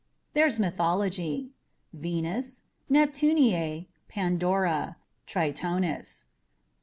There's mythology: Venus, Neptunea, Pandora, Tritonis.